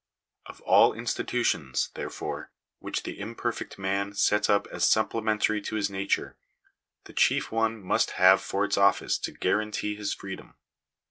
Of all institutions, therefore, which the imperfect man sets up as supplementary to his nature, the chief one must have for its office to guarantee his freedom.